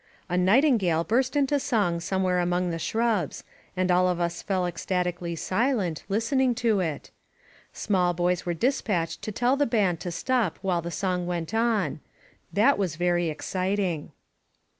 A night ingale burst into song somewhere among the shrubs, and all of us fell ecstatically silent, listening to it« Small boys were dispatched to tell the band to stop while the song went on. That was very exciting.